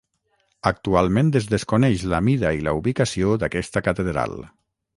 Actualment es desconeix la mida i la ubicació d'aquesta catedral.